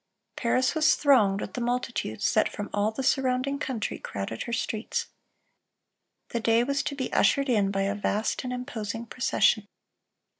Paris was thronged with the multitudes that from all the surrounding country crowded her streets. The day was to be ushered in by a vast and imposing procession.